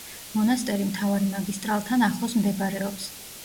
მონასტერი მთავარი მაგისტრალთან ახლოს მდებარეობს.